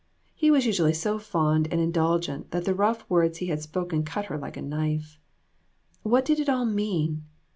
He was usually so fond and indulgent that the rough words he had spoken cut her like a knife. What did it all mean?